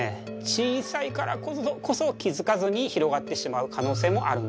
小さいからこそ気付かずに広がってしまう可能性もあるんです。